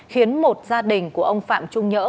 khiến một gia đình của ông phạm trung nhỡ